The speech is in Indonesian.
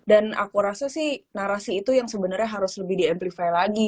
dan aku rasa sih narasi itu yang sebenernya harus lebih di amplify lagi